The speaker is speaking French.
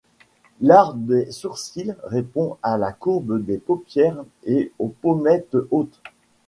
L’arc des sourcils répond à la courbe des paupières et aux pommettes hautes.